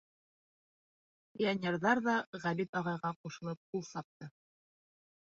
Пионерҙар ҙа Ғәбит ағайға ҡушылып ҡул сапты.